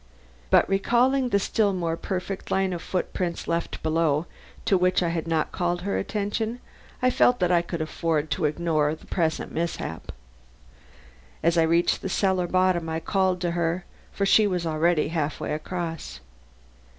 But recalling the still more perfect line of footprints left below to which I had not called her attention, I felt that I could afford to ignore the present mishap. As I reached the cellar bottom I called to her, for she was already half way across.